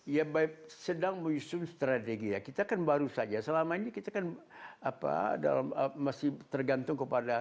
ya baik sedang menyusun strategi ya kita kan baru saja selama ini kita kan apa dalam masih tergantung kepada